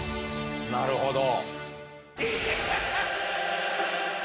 なるほど。